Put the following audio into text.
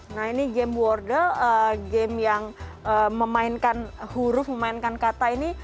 nah ini game wordle game yang memainkan huruf memainkan kata ini